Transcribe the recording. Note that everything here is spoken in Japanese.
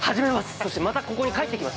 そしてまた、ここに帰ってきます。